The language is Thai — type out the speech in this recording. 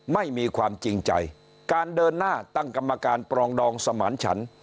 ไม่มีความจริงใจการเดินหน้าตั้งกรรมการปรองดองสมานฉัน